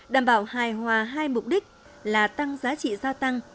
đảm bảo hài hòa hai mục đích là tăng giá trị gia tăng